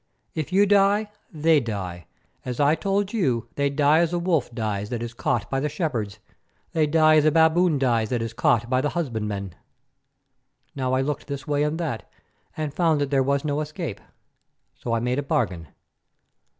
If you die, they die; as I told you, they die as a wolf dies that is caught by the shepherds; they die as a baboon dies that is caught by the husbandman." Now I looked this way and that, and found that there was no escape. So I made a bargain.